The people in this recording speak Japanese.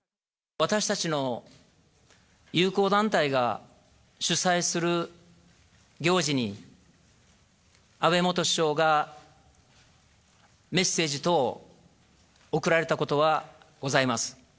私たちの友好団体が主催する行事に、安倍元首相がメッセージ等を送られたことはございます。